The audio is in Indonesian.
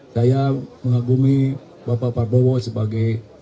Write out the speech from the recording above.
saya mengagumi bapak pak bowo sebagai